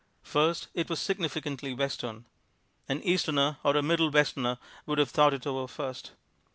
First, it was significantly Western. An Easterner or a Middle Westerner would have thought it over first.